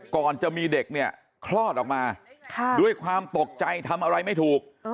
ก่อนจะมีเด็กเนี่ยคลอดออกมาด้วยความตกใจทำอะไรไม่ถูก